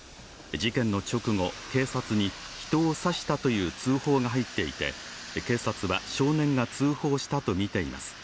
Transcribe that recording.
事件の直後、警察に人を刺したという通報が入っていて警察は少年が通報したとみています。